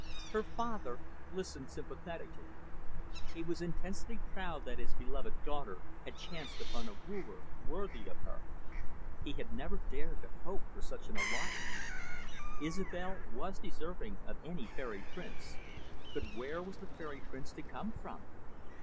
Her father listened sympathetically. He was intensely proud that his beloved daughter had chanced upon a wooer worthy of her. He had never dared to hope for such an alliance. Isobel was deserving of any Fairy Prince, but where was the Fairy Prince to come from?